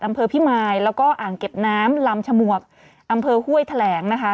อำเภอพิมายแล้วก็อ่างเก็บน้ำลำฉมวกอำเภอห้วยแถลงนะคะ